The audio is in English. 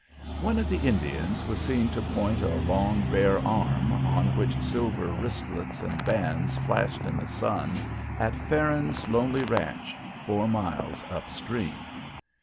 One of the Indians was seen to point a long, bare arm, on which silver wristlets and bands flashed in the sun, at Farron's lonely ranch four miles up stream.